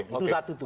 itu satu tuh